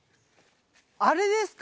あれですか？